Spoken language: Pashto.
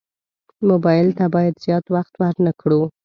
موبایل ته باید زیات وخت ورنه کړو.